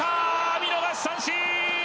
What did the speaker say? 見逃し三振！